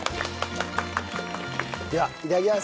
ではいただきます！